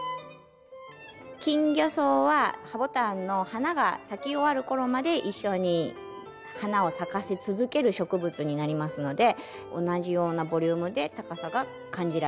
キンギョソウはハボタンの花が咲き終わる頃まで一緒に花を咲かせ続ける植物になりますので同じようなボリュームで高さが感じられる。